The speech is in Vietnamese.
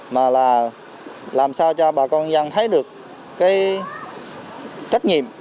mà là làm sao cho bà con dân thấy được cái trách nhiệm